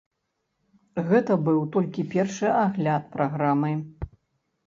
Гэта быў толькі першы агляд праграмы.